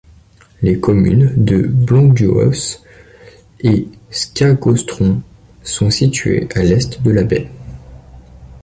Les communes de Blönduós et Skagaströnd sont situées à l'est de la baie.